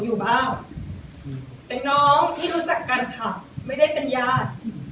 อยู่บ้านเป็นน้องที่รู้จักกันค่ะไม่ได้เป็นญาติ